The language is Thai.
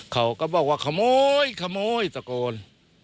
เขาก็บอกว่าขโมยขโมยตะโกน